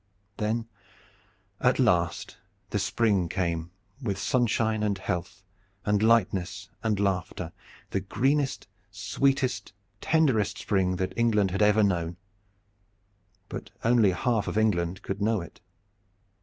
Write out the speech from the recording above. Then at last the spring came with sunshine and health and lightness and laughter the greenest, sweetest, tenderest spring that England had ever known but only half of England could know it.